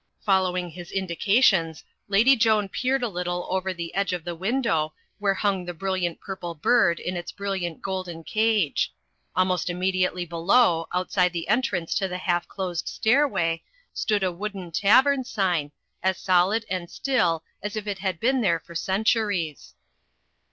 Following his indications, Lady Joan peered a little over the edge of the window where hung the brilliant purple bird in its brilliant golden cage. Almost im mediately below, outside the entrance to the half closed stairway, stood a wooden tavern sign, as solid and still as if it had been there for centuries.